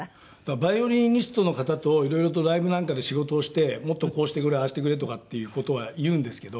バイオリニストの方といろいろとライブなんかで仕事をしてもっとこうしてくれああしてくれとかっていう事は言うんですけど。